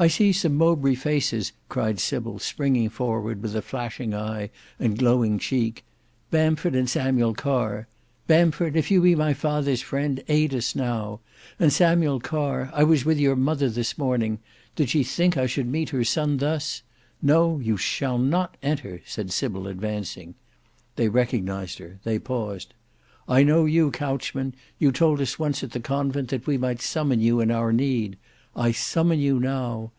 "I see some Mowbray faces," cried Sybil springing forward, with a flashing eye and glowing cheek. "Bamford and Samuel Carr: Bamford, if you be my father's friend, aid us now; and Samuel Carr, I was with your mother this morning: did she think I should meet her son thus? No, you shall not enter," said Sybil advancing. They recognised her, they paused. "I know you, Couchman; you told us once at the Convent that we might summon you in our need. I summon you now.